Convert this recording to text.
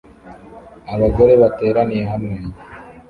Abagore bateraniye hamwe